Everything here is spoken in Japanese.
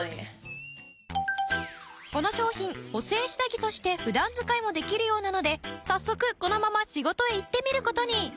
この商品補整下着として普段使いもできるようなので早速このまま仕事へ行ってみる事に。